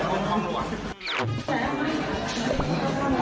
อันนี้ต้องมา